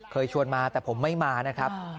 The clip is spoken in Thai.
เคยชวนมาแต่ผมไม่มานะครับ